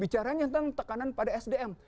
bicaranya tentang tekanan pada sdm